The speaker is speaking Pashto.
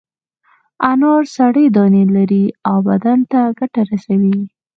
انار سرې دانې لري او بدن ته ګټه رسوي.